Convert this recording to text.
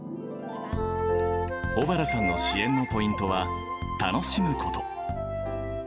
小原さんの支援のポイントは、楽しむこと。